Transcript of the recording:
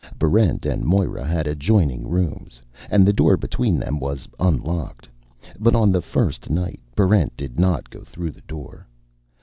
Barrent and Moera had adjoining rooms, and the door between them was unlocked. But on the first night, Barrent did not go through the door.